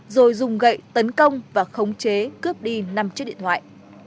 rồi dùng gậy tấn công và khống chế cướp đi năm chiếc điện thoại